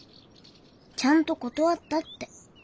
ちゃんと断ったって。